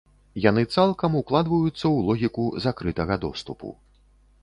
Яны цалкам укладваюцца ў логіку закрытага доступу.